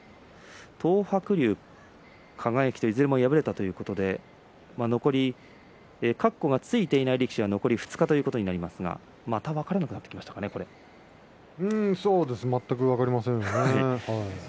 東白龍、輝、いずれも敗れたということでかっこがついていない力士は残り２日となりますがまた分からなくなって全く分かりませんね。